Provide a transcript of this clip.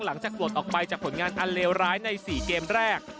หลังจากปลดออกไปจากผลงานอันเลวร้ายใน๔เกมแรก